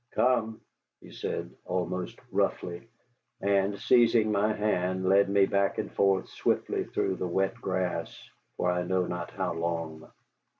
"Come!" he said almost roughly, and seizing my hand, led me back and forth swiftly through the wet grass for I know not how long.